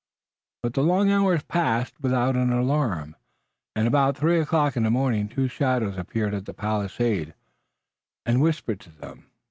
But the long hours passed without an alarm and about three o'clock in the morning two shadows appeared at the palisade and whispered to them.